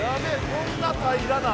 こんな平らな。